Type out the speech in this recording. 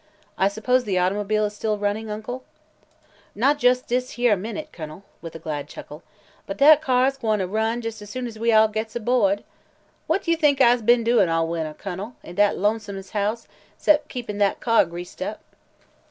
"I suppose the automobile is still running, Uncle?" "Not jes' dis yere minnit, Kun'l," with a glad chuckle, "but dat car's gwine ter run jes' as soon as we all gits aboahd. What yo' think I's be'n doin' all winter, Kun'l, in dat lonesomeness house, 'cept keepin' dat car greased up?"